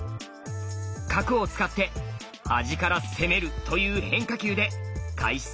角を使って端から攻めるという変化球で開始